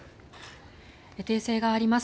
訂正があります。